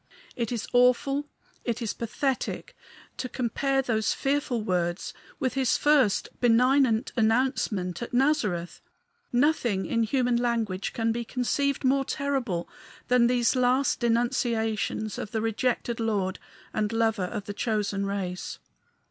It is awful, it is pathetic, to compare those fearful words with his first benignant announcement at Nazareth. Nothing in human language can be conceived more terrible than these last denunciations of the rejected Lord and Lover of the chosen race.